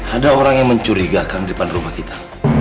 ada orang yang mencurigakan di depan rumah kita